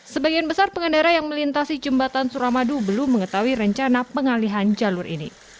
sebagian besar pengendara yang melintasi jembatan suramadu belum mengetahui rencana pengalihan jalur ini